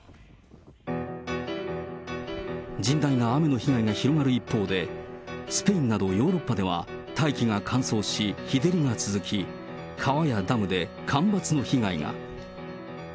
甚大な雨の被害が広がる一方で、スペインなどヨーロッパでは大気が乾燥し、日照りが続き、川やダムで干ばつの被害が。